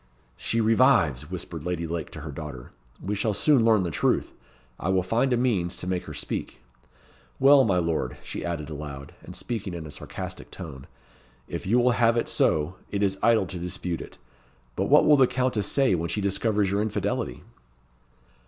"She revives!" whispered Lady Lake to her daughter. "We shall soon learn the truth. I will find a means to make her speak. Well, my lord," she added aloud, and speaking in a sarcastic tone, "if you will have it so, it is idle to dispute it. But what will the Countess say, when she discovers your infidelity?"